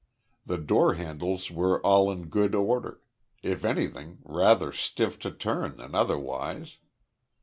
The door handles were all in good order; if anything, rather stiff to turn than otherwise.